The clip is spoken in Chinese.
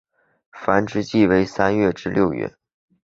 繁殖季节为三月至六月。